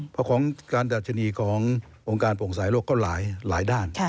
เพราะของการดัชนีขององค์การโปร่งสายโลกก็หลายด้าน